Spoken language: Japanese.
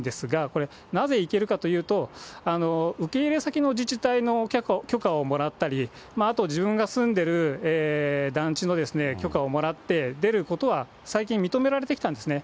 これ、なぜ行けるかというと、受け入れ先の自治体の許可をもらったり、あと、自分が住んでる団地の許可をもらって出ることは最近、認められてきたんですね。